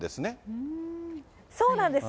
そうなんです。